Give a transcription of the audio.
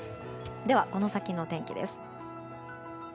では、この先のお天気です。